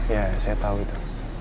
ya saya tau itu